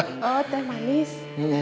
oh teh manis